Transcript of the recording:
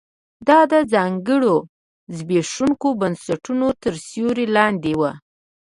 دا د ځانګړو زبېښونکو بنسټونو تر سیوري لاندې و